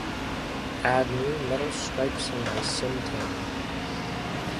Add new metal stripes in my syn tony.